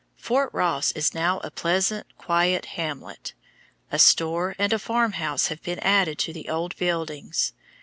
Fort Ross is now a pleasant, quiet hamlet. A store and a farm house have been added to the old buildings.